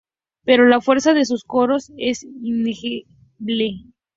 Pero la fuerza de sus coros es innegable".